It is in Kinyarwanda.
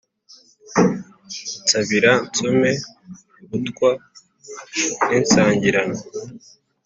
Nsabira nsome irutwa n’insangirano.